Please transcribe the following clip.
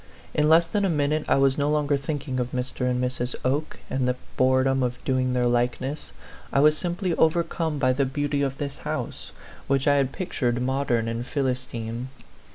In less than a min ute I was no longer thinking of Mr. and Mrs. Oke and the boredom of doing their likeness I was simply overcome by the beauty of this house, which I had pictured modern and Philistine.